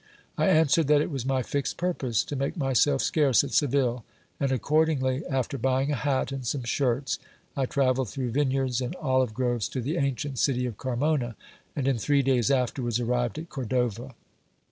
I answered that it was my fixed purpose to make myself scarce at Seville, and accordingly, after buying a hat and some shirts, I travelled through vineyards and olive groves to the ancient city of Carmona ; and in three days afterwards arrived at Cordova.